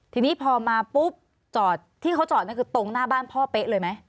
ทีนี้พอมาปุ๊บจอดที่เขาจอดนั่นคือตรงหน้าบ้านพ่อเป๊ะเลยไหม